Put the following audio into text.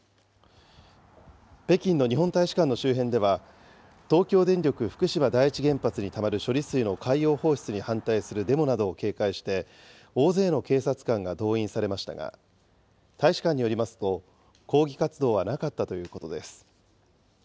北京の日本大使館の周辺では、東京電力福島第一原発にたまる処理水の海洋放出に反対するデモなどを警戒して、大勢の警察官が動員されましたが、大使館によりますと、抗議活動はなかったということです。